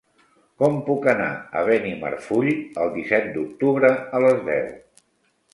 Com puc anar a Benimarfull el disset d'octubre a les deu?